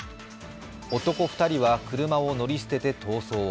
男２人は車を乗り捨てて逃走。